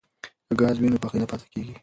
که ګاز وي نو پخلی نه پاتې کیږي.